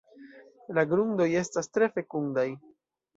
La grundoj estas tre fekundaj.